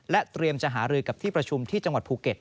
เตรียมจะหารือกับที่ประชุมที่จังหวัดภูเก็ต